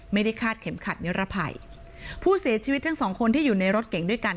ไม่ได้คาดเข็มขัดนิรภัยผู้เสียชีวิตทั้งสองคนที่อยู่ในรถเก่งด้วยกัน